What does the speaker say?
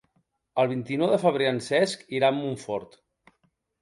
El vint-i-nou de febrer en Cesc irà a Montfort.